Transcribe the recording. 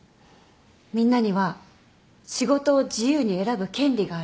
みんなには仕事を自由に選ぶ権利がある。